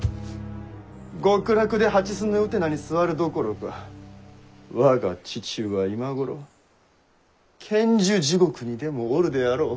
極楽で蓮のうてなに座るどころか我が父は今頃剣樹地獄にでもおるであろう。